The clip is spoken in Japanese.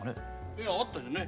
いやあったよね？